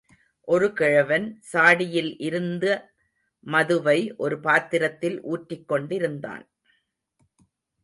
ஒரு கிழவன், சாடியில் இருந்த மதுவை ஒரு பாத்திரத்தில் ஊற்றிக் கொண்டிருந்தான்.